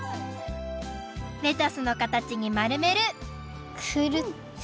レタスのかたちにまるめるクルッと。